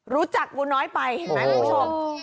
รู้จักกูน้อยไปนะคุณผู้ชม